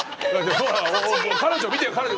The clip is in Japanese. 彼女見てよ彼女。